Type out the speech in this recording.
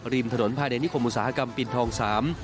รีบถนนภายในคมสาหกรรมปิดทองสาม